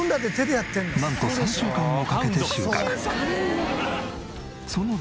なんと３週間もかけて収穫。